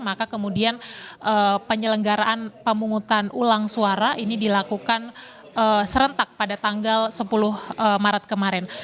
maka kemudian penyelenggaraan pemungutan suara ini dilakukan serentak pada tanggal sepuluh maret kemarin